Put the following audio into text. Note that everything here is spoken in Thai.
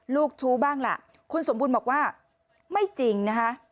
ชู้บ้างล่ะคุณสมบูรณ์บอกว่าไม่จริงนะคะ